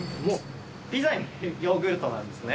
ピザにヨーグルトなんですね。